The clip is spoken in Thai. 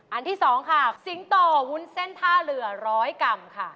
ที่๒ค่ะสิงโตวุ้นเส้นท่าเรือร้อยกรัมค่ะ